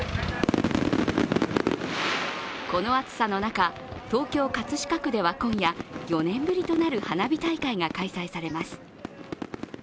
この暑さの中、東京・葛飾区では今夜、４年ぶりとなる花火大会が開催されます。